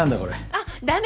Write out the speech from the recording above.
あっダメ！